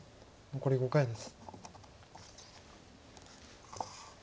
残り５回です。